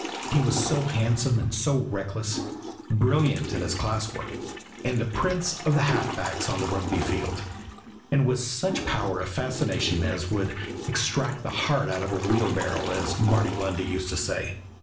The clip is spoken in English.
He was so handsome and so reckless, brilliant in his class work, and the prince of half backs on the Rugby field, and with such power of fascination as would "extract the heart out of a wheelbarrow," as Barney Lundy used to say.